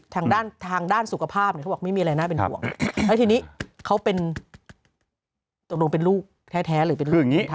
ทางด้านทางด้านสุขภาพเนี่ยเขาบอกไม่มีอะไรน่าเป็นห่วงแล้วทีนี้เขาเป็นตกลงเป็นลูกแท้หรือเป็นลูก